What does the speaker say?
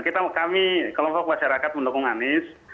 kami kelompok masyarakat mendukung anies